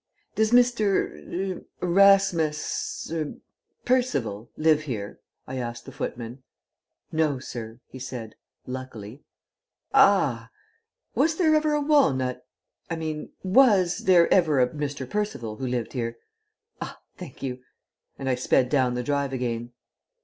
"Does Mr. er Erasmus er Percival live here?" I asked the footman. "No, sir," he said luckily. "Ah! Was there ever a walnut I mean was there ever a Mr. Percival who lived here? Ah! Thank you," and I sped down the drive again.